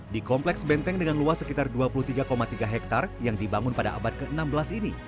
di kompleks benteng dengan luas sekitar dua puluh tiga tiga hektare yang dibangun pada abad ke enam belas ini